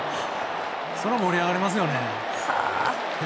そりゃ盛り上がりますよね。